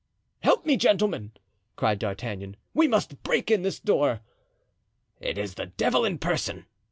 "Help me, gentlemen," cried D'Artagnan, "we must break in this door." "It is the devil in person!"